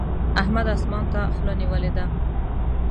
احمد اسمان ته خوله نيولې ده.